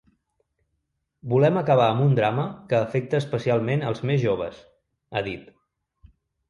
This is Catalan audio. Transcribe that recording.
“Volem acabar amb un drama que afecta especialment els més joves”, ha dit.